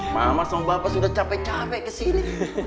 mama sama bapak sudah capek capek kesini